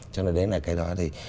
cho nên đấy là cái đó